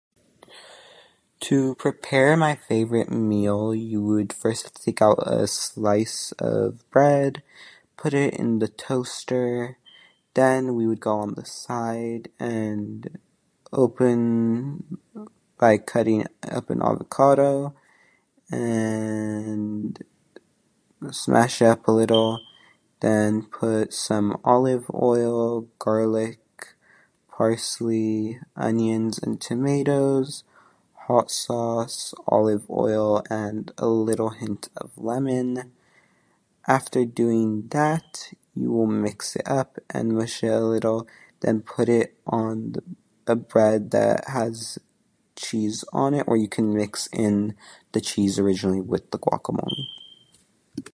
To prepare my favorite meal you would first take out a slice of bread, put it in the toaster, then we would go on the side and open by cutting up an avocado, and smash it up a little, and put some olive oil, garlic, parsley, onions, and tomatoes, hot sauce, olive oil, and a little hint of lemon. After doing that, you will mix it up and mush it a little then put it on the bread that has cheese on it, or you can mix in the cheese originally with the guacamole.